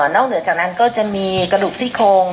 เหนือจากนั้นก็จะมีกระดูกซี่โครง